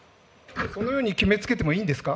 そのように決めつけてもいいんですか。